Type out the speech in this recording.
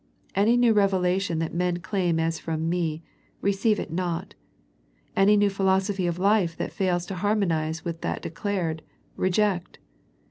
Any new rev elation that men claim as from Me, receive it not. Any new philosophy of life that fails to harmonize with that declared, reject.